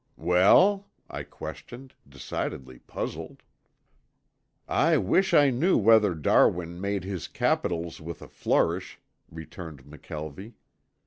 "Well?" I questioned, decidedly puzzled. "I wish I knew whether Darwin made his capitals with a flourish," returned McKelvie.